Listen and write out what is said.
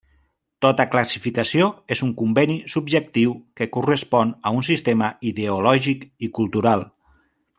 Tota classificació és un conveni subjectiu que correspon a un sistema ideològic i cultural.